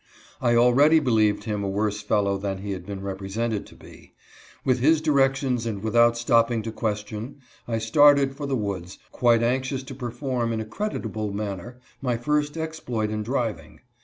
I already believed him a worse fellow than he had been represented to be. With his directions, and without stopping to question, I started for the woods, quite anx ious to perform in a creditable manner, my first exploit in driving.